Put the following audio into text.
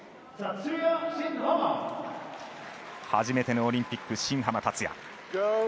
初めてのオリンピック、新濱立也。